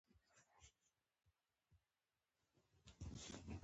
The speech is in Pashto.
کورس د تجربې لاسته راوړنه ده.